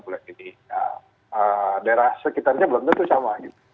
di daerah sekitarnya belum tentu sama